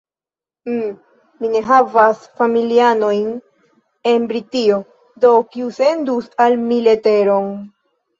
Hm, mi ne havas familianojn en Britio, do kiu sendus al mi leteron?